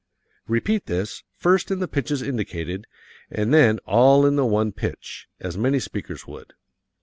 Repeat this, first in the pitches indicated, and then all in the one pitch, as many speakers would.